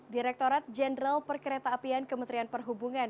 direktorat jenderal perkeretaapian kementerian perhubungan